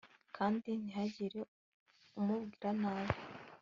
kandi ntihagire umubwira nabi